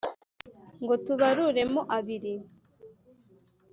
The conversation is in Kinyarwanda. Ngo tubarure mo abiri